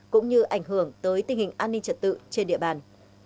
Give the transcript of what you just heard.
cũng như ảnh hưởng tới tình hình an ninh trật tự trên địa bàn